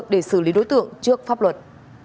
để xử lý đối tượng trước pháp luật